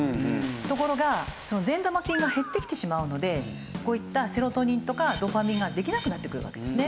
ところが善玉菌が減ってきてしまうのでこういったセロトニンとかドーパミンができなくなってくるわけですね。